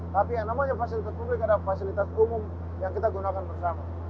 tapi yang namanya fasilitas publik adalah fasilitas umum yang kita gunakan bersama